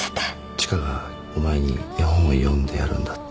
千賀がお前に絵本を読んでやるんだって。